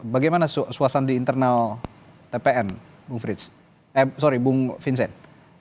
bagaimana suasana di internal tpn bang vincent